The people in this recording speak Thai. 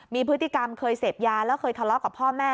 มีพฤติกรรมเคยเสพยาแล้วเคยทะเลาะกับพ่อแม่